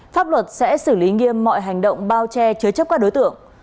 pháp luật sẽ xử lý nghiêm mọi hành động bao che chứa chấp các đối tượng